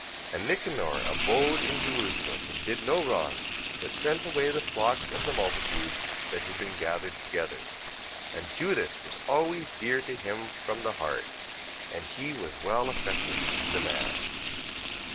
14:23. And Nicanor abode in Jerusalem, and did no wrong, but sent away the flocks of the multitudes that had been gathered together. 14:24. And Judas was always dear to him from the heart, and he was well affected to the man.